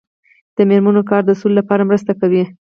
د میرمنو کار د سولې لپاره مرسته کوي.